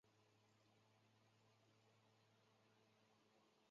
短吻颈鳗为辐鳍鱼纲鳗鲡目糯鳗亚目长颈鳗科的其中一个种。